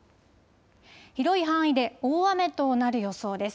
広い範囲で大雨となる予想です。